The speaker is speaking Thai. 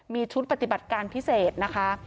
มีชุดปฏิบัติการพิเศษนะคะ